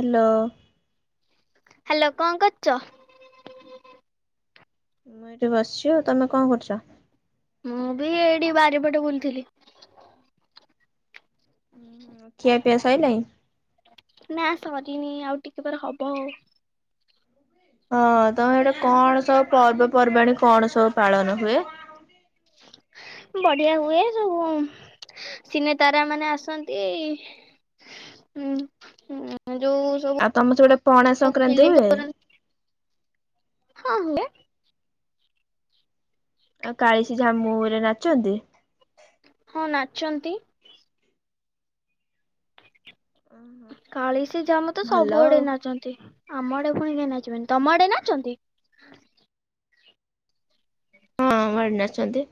Hello. Hello କଣ କରୁଛ? ମୁଁ ଏଇଠି ବସିଛି ଆଉ ତମେ କଣ କରୁଛ? ମୁଁ ବି ଏଇଠି ବାରିପଟେ ବୁଲଥିଲି। ଖିଆ ପିଆ ସଇଲାଇଁ। ନା ସରିନି ଆଉ ଟିକେ ପରେ ହବ ଆଉ ହଁ ତମର ସେଠି କଣ ସବୁ ପର୍ବପର୍ବାଣୀ କଣ ସବୁ ପାଳନ ହୁଏ। ବଢିଆ ହୁଏ ସବୁ ସିନେ ତାରା ମାନେ ଆସନ୍ତି ଉଁ ଉଁ ଯୋଉ ସବୁ ଆଉ ତମ ସେପଟେ ପଣା ସଂକ୍ରାନ୍ତି ଫିଲ୍ମ ହୁଏ। କରନ୍ତି ହଁ ହୁଏ। ଆଉ କାଳିଶୀ ଝାମୁ ରେ ନାଚନ୍ତି। ହଁ ନାଚନ୍ତି। ଓହୋ, କାଳିଶୀ ଝାମୁ ତ ଭଲ ଆଉ ସବୁଆଡେ ନାଚନ୍ତି ଆମ ଆଡେ ପୁଣି କାହିଁ ନାଚିବେନି ତମ ଆଡେ ନାଚନ୍ତି। ହଁ ଆମ ଆଡ଼େ ନାଚନ୍ତି।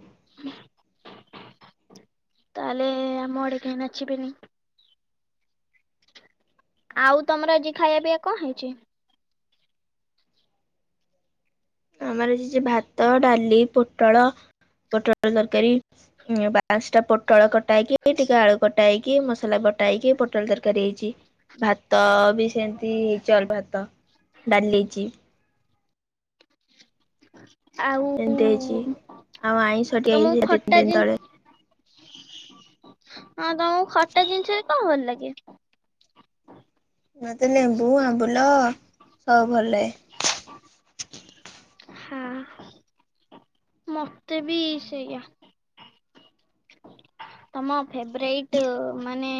ତାହେଲେ ଆମ ଆଡେ କାହିଁ ନାଚିବେନି। ଆଉ ତମର ଆଜି ଖାଇବା ପିଇବା କଣ ହେଇଛି? ଆମର ହେଇଛି ଭାତ ଡାଲି ପୋଟଳ ପୋଟଳ ତରକାରୀ। ଉଁ ପାଞ୍ଚଟା ପୋଟଳ କଟାହେଇକି ଟିକେ ଆଳୁ କଟାହେଇକି ମସଲା ବଟାହେଇକି ପୋଟଳ ତରକାରୀ ହେଇଛି। ଭାତ ବି ସେମତି ହେଇ ଚଲ୍ ଭାତ, ଡାଲି ହେଇଛି। ଆଉ ଏମିତି ହେଇଛି ଆଉ ଆଇଁଷଟି ହେଇଛି ତମକୁ ଦି ତିନି ଖଟା ଦିନ ତଳେ। ଜିନିଷ ହଁ ତମକୁ ଖଟା ଜିନିଷ ବି ତ ଭଲ ଲାଗେ। ମତେ ଲେମ୍ବୁ, ଆମ୍ବୁଲ ସବୁ ଭଲ ଲାଗେ। ହଁ ମ ମତେ ବି ସେଇଆ। ତମ ଫେବରାଇଟ୍ ମାନେ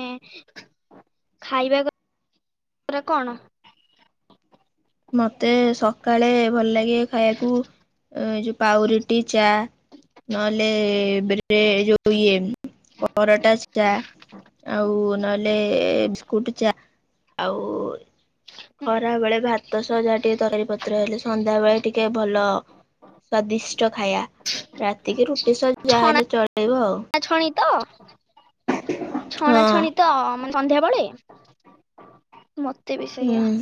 ଖାଇବା କ ଉପରେ କଣ? ମତେ ସକାଳେ ଭଲ ଲାଗେ ଖାଇବାକୁ ଏଇ ଯୋଉ ପାଉଁରୁଟି ଚା ନହେଲେ ଯୋଉ ଇଏ ପରଟା ଚା ଆଉ ନହଲେ ବିସ୍କୁଟ ଚା ଆଉ ଖରା ବେଳେ ଭାତ ଭାତ ସହ ଯାହା ଟିକେ ତରକାରୀ ପତ୍ର ହେଲେ ସନ୍ଧ୍ୟାବେେଳେ ଟିକେ ଭଲ ସ୍ଵାଦିଷ୍ଟ ଖାଇଆ ରାତିକି ରୁଟି ସହ ଯାହା ହେଲେ ଚଳିବ ଆଉ। ଛଣା ଛଣି ତ ଛଣା ହଁ ଛଣି ତ ମାନେ ସନ୍ଧ୍ୟାବେଳେ ମତେ ବି ହୁଁ। ସେଇଆ।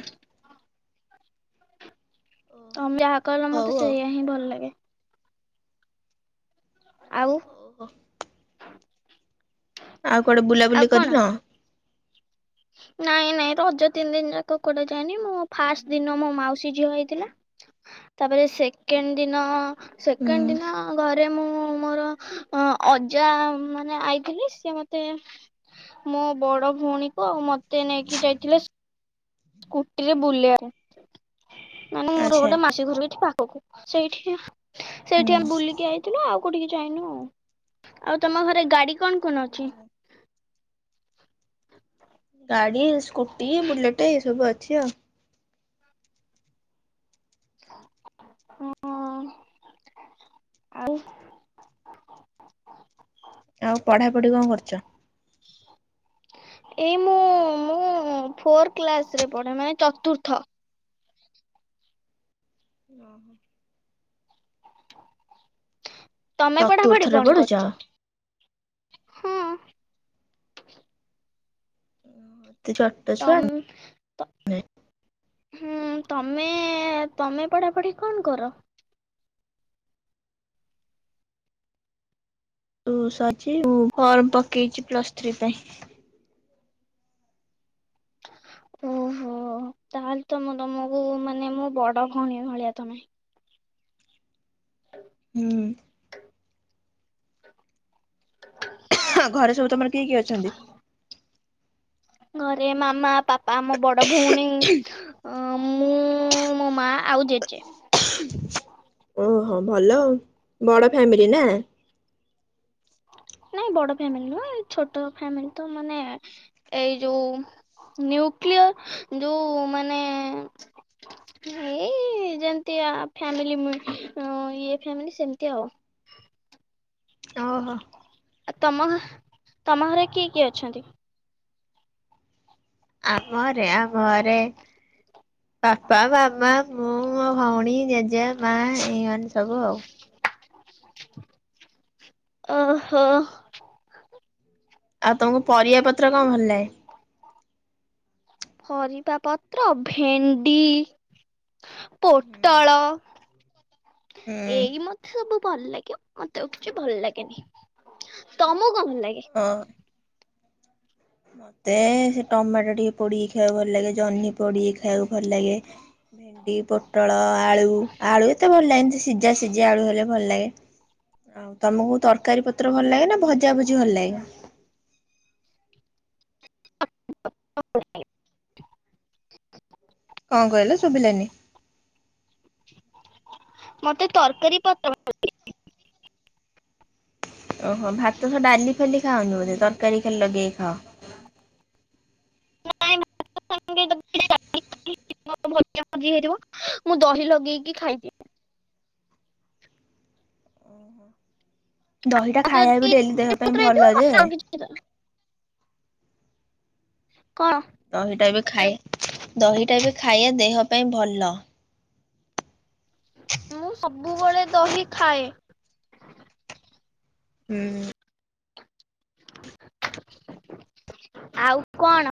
ଓହୋ। ତମେ ଯାହା କହିଲ ହଉ ମତେ ଆଉ ସେଇଆ ହିଁ ଭଲ ଲାଗେ। ଆଉ ଓହୋଃ ଆଉ କୁଆଡେ ଆଉ ବୁଲାବୁଲି କଣ କରିନ? ନାଇଁ ନାଇଁ ରଜ ତିନି ଦିନ ଯାକ କୋଟେ ଯାଏନି ମୋ ଫାଷ୍ଟ ଦିନ ମୋ ମାଉସୀ ଝିଅ ଆଇଥିଲା। ତାପରେ ସେକେଣ୍ଡ୍ ଦିନ ହୁଁ ସେକେଣ୍ଡ୍ ଦିନ ଘରେ ଘରେ ମୁଁ ମୋର ଅଜା ମାନେ ଆଇଥିଲେ ସିଏ ମତେ ମୋ ବଡ ଭଉଣୀକୁ ଆଉ ମତେ ନେଇକି ଯାଇଥିଲେ ସ୍କୁଟିରେ ବୁଲାଇ ପାଇଁ ମାନେ ମୋର ଆଚ୍ଛା ଗୋଟେ ମାସି ଘରୁ ଏଠି ପାଖକୁ ସେଇଠି, ହୁଁ। ସେଇଠି ଆମେ ବୁଲିକି ଆଇଲୁ। ଯାଇଥିଲୁ ଆଉ କୋଉଠିକି ଯାଇନୁ ଆ ଆଉ ତମ ଘରେ ଗାଡି କଣ କଣ ଅଛି। ଗାଡି ସ୍କୁଟି ବୁଲେଟେ ଏଇ ସବୁ ଅଛି ଆଉ। ହଁ [unintelligible] ଆଉ ଆଉ ପଢାପଢି କଣ କରୁଚ? ଏଇ ମୁଁ-ମୁଁ ଫୋର୍ କ୍ଲାସ୍ ରେ ପଢେ ମାନେ ଚତୁର୍ଥ। [unintelligible] ତମେ ପଢାପଢି ଚତୁର୍ଥରେ କଣ କରୁଛ? ପଡୁଚ? ହଁ ତୁ ଚ ତମ୍ ହୁଁ, ତମେ-ତମେ ପଢାପଢି କଣ କର? [inaudible] ଫର୍ମ ପକେଇଚି ପ୍ଲସ ଥ୍ରୀ ପାଇଁ। ଓହୋ, ତାହେଲେ [unintelligible] ତମକୁ ମାନେ ମୋ ବଡ ଭଉଣୀ ଭଳିଆ ତମେ। ହୁଁ। ହଁ [unintelligible] [unintelligible] ଘରେ ସବୁ ତମର କିଏ-କିଏ ଅଛନ୍ତି? ଘରେ ମାମା ପାପା ମୋ ବଡ ଭଉଣୀ ଅଁ ମୁଁ ମୋ ମା ଆଉ ଜେଜେ। ଓହୋ ଭଲ ଆଉ, ବଡ ଫ୍ୟାମିଲି ନା? ନାଇଁ ବଡ ଫ୍ୟାମିଲି ନୁହଁ ଏ ଛୋଟ ଫ୍ୟାମିଲି ତ ମାନେ ଏଇ ଯୋଉ ନ୍ୟୁକ୍ଲିୟର୍ ଯୋଉ ମାନେ ଏଇ ଯେମ୍ତିଆ ଫ୍ୟାମିଲି [unintelligible] ଅଁ ଫ୍ୟାମିଲି ସେମ୍ତି ଆଉ। ଓହୋ ଆ ତମ ଘ ତମ ଘରେ କିଏ-କିଏ ଅଛନ୍ତି? ଆମ ଘରେ, ଆମ ଘରେ ପାପା ମାମା ମୁଁ ମୋ ଭଉଣୀ ଜେଜେ ମା ଏଇମାନେ ସବୁ ଆଉ। ଓହୋ। ଆଉ ତମୁକୁ ପରିବା ପତ୍ର କଣ ଭଲ ଲାଗେ? ପରିବା ପତ୍ର ଭେଣ୍ଡି, ହୁଁ ପୋଟଳ ହୁଁ ଏ ମ ସବୁ ଭଲ ଲାଗିବ ମତେ ଆଉ କିଛି ଭଲ୍ ଲାଗେନି, ତମୁକୁ କଣ ଲାଗେ? ହଁ। ତେ ସେ ଟମାଟୋ ଟିକେ ପୋଡିକି ଖାଇଆକୁ ଭଲ୍ ଲାଗେ, ଜହ୍ନି ପୋଡିକି ଖାଇଆକୁ ଭଲ୍ ଲାଗେ। ଭେଣ୍ଡି, ପୋଟଳ, ଆଳୁ-ଆଳୁ ଏତେ ଭଲ୍ ଲାଗେନି, ସେ ସି ଜା ସିଜା ଆଳୁ ହେଲେ ଭଲ୍ ଲାଗେ। ଆଉ ତମୁକୁ ତରକାରୀ ପତ୍ର ଭଲ ଲାଗେ ନା ଭଜା ଭଜି ଭଲ୍ ଲାଗେ? [inaudible] କଣ କହିଲେ ଶୁଭିଲାନି? ମତେ ତରକାରୀ ପତ୍ର [inaudible] ଓହୋ, ଭାତ ସହ ଡାଲି ଖାଲି ଖାଅନି ବୋଧେ, ତରକାରୀ ଖାଲି ଲଗେଇ ଖାଅ? [inaudible] [inaudible] ଭଜା ଭଜି ହେଇଥିବ ମୁଁ ଦହି ଲଗେଇକି ଖାଇଦିିଏ। ଦହିଟା ଖାଇଆ ଯଦି ବି ଡେଲି ଦେହ ପାଇଁ ହେଇଥିବ ଭଲ ଯେ। [inaudible] କଣ? ଦହିଟା ବି ଖାଇଆ ଦହିଟା ବି ଖାଇଆ ଦେହ ପାଇଁ ଭଲ। ମୁଁ ସବୁବେଳେ ଦହି ଖାଏ ହୁଁ। ଆଉ କଣ?